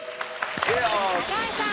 高橋さん